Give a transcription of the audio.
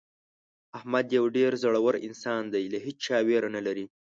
احمد یو ډېر زړور انسان دی له هېچا ویره نه لري.